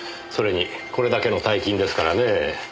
それにこれだけの大金ですからねえ